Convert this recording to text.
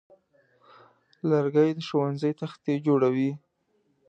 لرګی د ښوونځي تختې جوړوي.